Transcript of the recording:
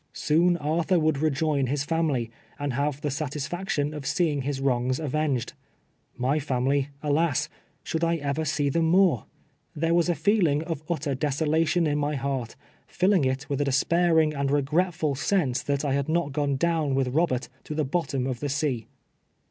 Soon Arthur would rejoin his family, and haye the satisfaction of seeing his wrongs avenged : my family, alas, should I ever see them more ? There was a feeling of utter deso lation in my heart, filling it with a despairing and re gretful sense, that I had not gone down with Robert to the bottom of the sea.